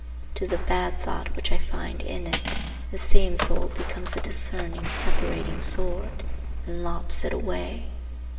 To the bad thought which I find in it, the same soul becomes a discerning, separating sword, and lops it away.